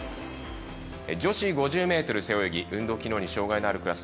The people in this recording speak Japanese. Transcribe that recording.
女子５０ｍ背泳ぎ運動機能に障がいがあるクラス